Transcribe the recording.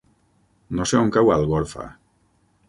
No sé on cau Algorfa.